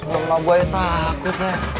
emak gue takut ya